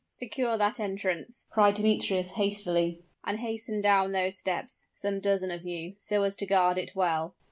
"Secure that entrance!" cried Demetrius, hastily; "and hasten down those steps, some dozen of you, so as to guard it well!"